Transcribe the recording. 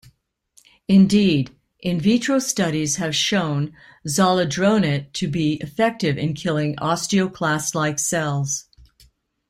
Indeed, "in vitro" studies have shown zolidronate to be effective in killing osteoclast-like cells.